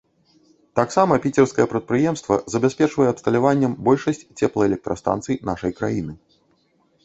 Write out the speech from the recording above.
Таксама піцерскае прадпрыемства забяспечвае абсталяваннем большасць цеплаэлектрастанцый нашай краіны.